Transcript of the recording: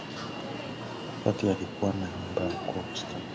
Patty alikuwa na nyumba huko Houston